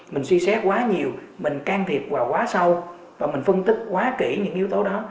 mình suy xét quá nhiều mình can thiệp vào quá sâu và mình phân tích quá kỹ những yếu tố đó